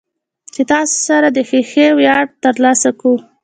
چې تاسې سره د خېښۍ وياړ ترلاسه کو.